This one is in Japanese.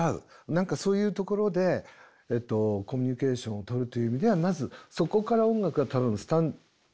何かそういうところでコミュニケーションをとるという意味ではまずそこから音楽は多分スタートしたんだろうと。